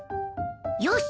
よし！